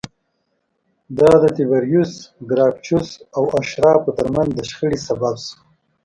دا د تبریوس ګراکچوس او اشرافو ترمنځ د شخړې سبب شوه